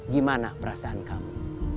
gimana perasaan kamu